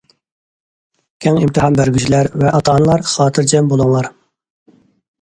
كەڭ ئىمتىھان بەرگۈچىلەر ۋە ئاتا- ئانىلار خاتىرجەم بولۇڭلار.